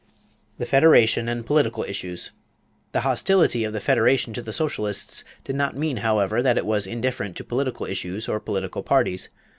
=The Federation and Political Issues.= The hostility of the Federation to the socialists did not mean, however, that it was indifferent to political issues or political parties.